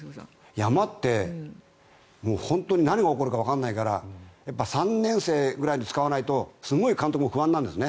山ってもう本当に何が起こるかわからないから３年生ぐらいを使わないとすごく、監督も不安なんですね。